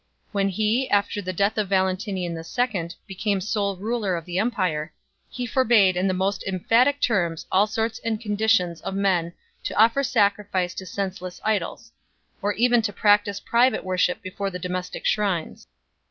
When he, after the death of Valentinian II., became sole ruler of the empire, he for bade in the most emphatic terms all sorts and conditions of men to offer sacrifice to senseless idols, or even to practise private worship before the domestic shrines.